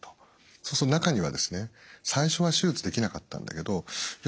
そうすると中にはですね最初は手術できなかったんだけどいや